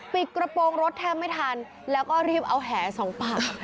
กระโปรงรถแทบไม่ทันแล้วก็รีบเอาแหสองปาก